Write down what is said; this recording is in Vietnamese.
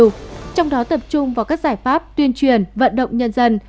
trong đó tập trung vào các giải pháp tuyên truyền vận động nhân dân